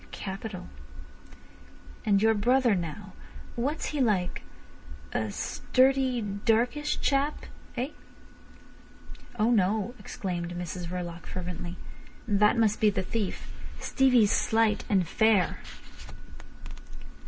Capital. And your brother now, what's he like—a sturdy, darkish chap—eh?" "Oh no," exclaimed Mrs Verloc fervently. "That must be the thief. Stevie's slight and fair."